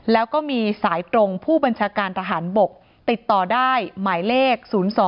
แล้วก็มีสายตรงผู้บัญชาการทหารบกติดต่อได้หมายเลข๐๒